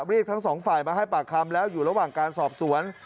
เรียกทั้งสองฝ่ายมาให้ปากคำแล้วอยู่ระหว่างการสอบสวน